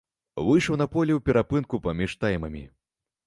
Выйшаў на поле ў перапынку паміж таймамі.